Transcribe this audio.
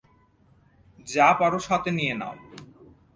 যা পারো সাথে নিয়ে নাও।